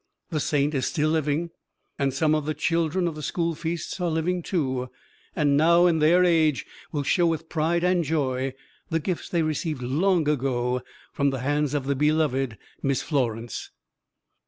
The saint is still living, and some of the children of the school feasts are living, too, and now in their age will show with pride and joy the gifts they received long ago from the hands of the beloved Miss Florence.